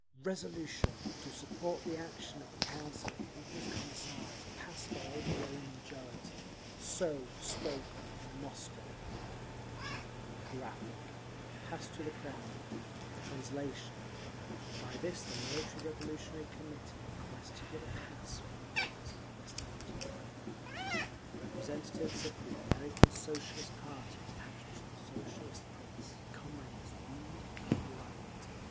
Resolution, to support the action of the Council of People's Commissars, passed by overwhelming majority. So spoke Moscow…. [Graphic, page 254: Pass to the Kremlin] By this the Military Revolutionary Commitee requests to give a pass for the purpose of investigating the Kremlin, the representatives of the American Socialist party attached to the Socialist press, comrades Reed and Bryant.